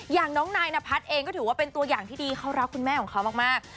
อย่างน้องนายนพัฒน์เองก็ถือว่าเป็นตัวอย่างที่ดีเขารักคุณแม่ของเขามาก